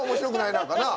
なんかなあ。